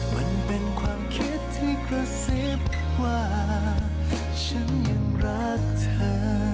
มันเป็นความคิดที่กระซิบว่าฉันยังรักเธอ